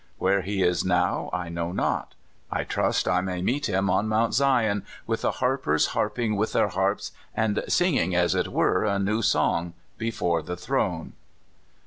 Where he is now, I know not. I trust I may meet him on Mount Sion, with the harpers harping with their harps, and singing, as it were, a new song before the throne.